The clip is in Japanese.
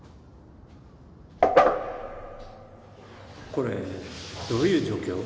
これどういう状況？